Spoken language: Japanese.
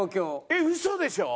えっ嘘でしょ？